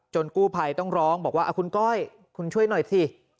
กู้ภัยต้องร้องบอกว่าคุณก้อยคุณช่วยหน่อยสิ